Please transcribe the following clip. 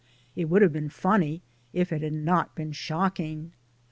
It would have been funny if it had not been shocking.